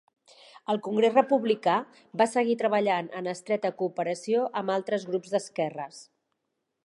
El Congrés Republicà va seguir treballant en estreta cooperació amb altres grups d"esquerres.